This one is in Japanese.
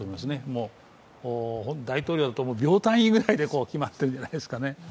もう大統領は秒単位くらいで決まっているんじゃないですかね。